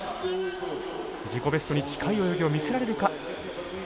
自己ベストに近い泳ぎを見せられるか。